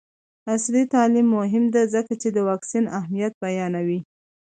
عصري تعلیم مهم دی ځکه چې د واکسین اهمیت بیانوي.